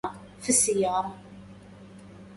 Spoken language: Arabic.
لمن الركب وحيفا وذميلا